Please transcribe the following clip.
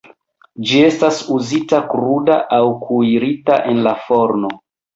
Ĝi estas uzita kruda aŭ kuirita en la forno.